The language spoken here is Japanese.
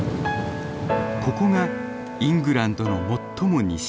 ここがイングランドの最も西。